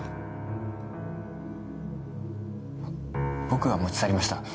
僕が持ち去りました。